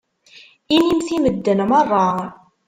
Inimt i medden meṛṛa.